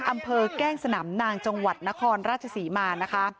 อำเภอแก้งสนามนางจังหวัดนครราชศรีมานะคะ